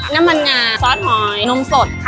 น้ำมันงาซอสหอยนมสดค่ะ